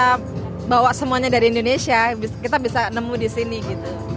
kita bawa semuanya dari indonesia kita bisa nemu di sini gitu